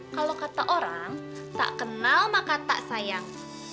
kalau kata orang tak kenal maka tak sayang